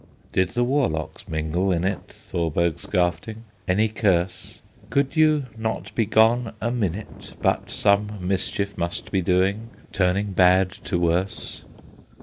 Did the warlocks mingle in it, Thorberg Skafting, any curse? Could you not be gone a minute But some mischief must be doing, Turning bad to worse?